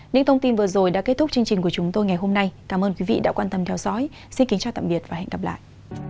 những thông tin vừa rồi đã kết thúc chương trình của chúng tôi ngày hôm nay cảm ơn quý vị đã quan tâm theo dõi xin kính chào tạm biệt và hẹn gặp lại